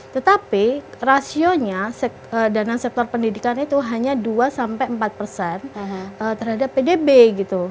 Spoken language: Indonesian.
tetapi rasionya dana sektor pendidikan itu hanya dua sampai empat persen terhadap pdb gitu